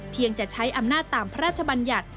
จะใช้อำนาจตามพระราชบัญญัติ